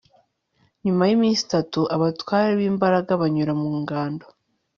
nyuma y'iminsi itatu, abatware b'imbaga banyura mu ngando